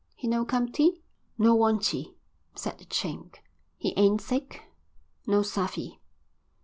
He no come tea?" "No wantchee," said the Chink. "He ain't sick?" "No savvy."